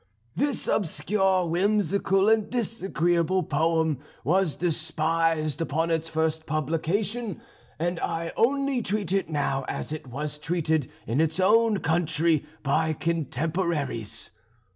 This obscure, whimsical, and disagreeable poem was despised upon its first publication, and I only treat it now as it was treated in its own country by contemporaries.